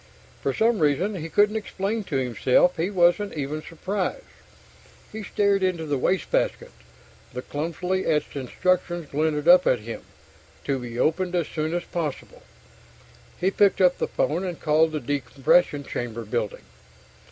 For some reason he couldn't explain to himself, he wasn't even surprised. He stared into the wastebasket. The clumsily etched instructions glinted up at him: "To be opened as soon as possible...." He picked up the phone and called the decompression chamber building.